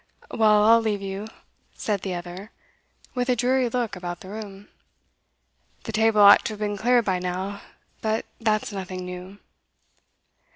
'Well, I'll leave you,' said the other, with a dreary look about the room. 'The table ought to have been cleared by now but that's nothing new.